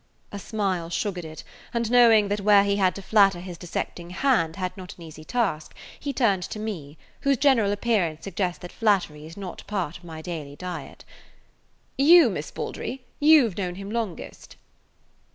A smile sugared it, and knowing that where [Page 163] he had to flatter his dissecting hand had not an easy task, he turned to me, whose general appearance suggests that flattery is not part of my daily diet. "You, Miss Baldry, you 've known him longest."